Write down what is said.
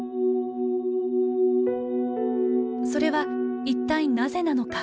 それは一体なぜなのか？